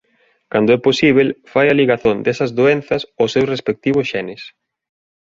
Cando é posíbel fai a ligazón desas doenzas aos seus respectivos xenes.